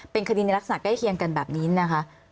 เป็นคดีในลักษณะใกล้เคียงกันแบบนี้นะคะ